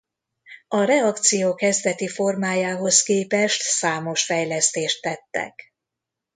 A reakció kezdeti formájához képest számos fejlesztést tettek.